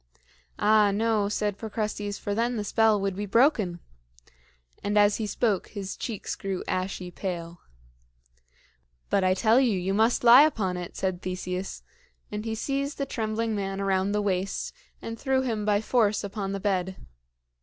"Ah, no," said Procrustes, "for then the spell would be broken," and as he spoke his cheeks grew ashy pale. "But I tell you, you must lie upon it," said Theseus; and he seized the trembling man around the waist and threw him by force upon the bed.